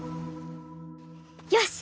よし！